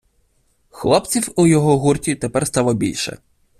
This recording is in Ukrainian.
Хлопців у його гурті тепер стало більше.